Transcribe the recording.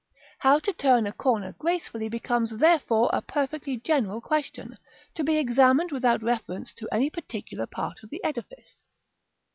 How to turn a corner gracefully becomes, therefore, a perfectly general question; to be examined without reference to any particular part of the edifice.